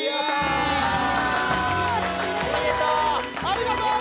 おめでとう！